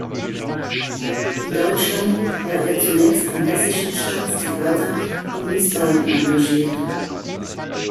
In Deutschland war er zunächst am Hessischen Staatstheater in Wiesbaden engagiert.